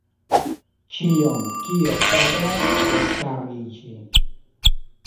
Ĉion, kio eblas restariĝi.